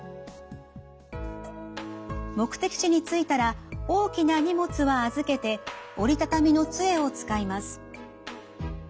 目的地に着いたら大きな荷物は預けて折りたたみの杖を使います。